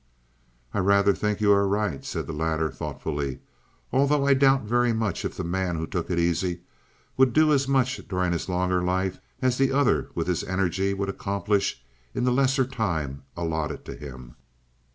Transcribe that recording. "I rather think you are right," said the latter thoughtfully, "although I doubt very much if the man who took it easy would do as much during his longer life as the other with his energy would accomplish in the lesser time allotted to him."